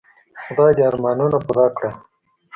خدای دي ارمانونه پوره کړه .